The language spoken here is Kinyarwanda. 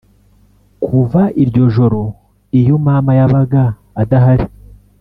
Kuva iryo ijoro iyo mama yabaga adahari